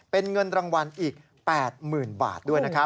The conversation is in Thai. เป็นเงินรางวัลอีก๘๐๐๐บาทด้วยนะครับ